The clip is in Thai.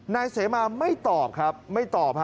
นายเสมาไม่ตอบครับไม่ตอบฮะ